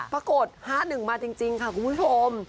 ปรากฏ๕๑มาจริงค่ะคุณผู้ชม